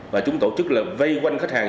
và chúng tổ chức là vai quần khách hàng